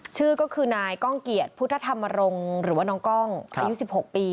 ชื่อก็คือนายก้องเกียรติพุทธธรรมรงค์หรือว่าน้องกล้องอายุ๑๖ปี